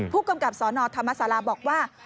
ผู้กำกับสนธรรมศาลาบอกว่า